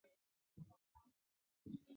江户时代舟山万年命名。